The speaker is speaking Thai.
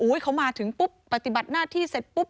เขามาถึงปุ๊บปฏิบัติหน้าที่เสร็จปุ๊บ